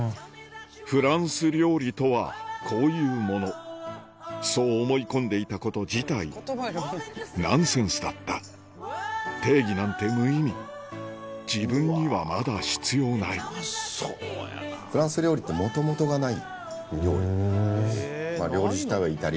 「フランス料理とはこういうもの」そう思い込んでいたこと自体ナンセンスだった定義なんて無意味自分にはまだ必要ないフランス料理って元々がない料理。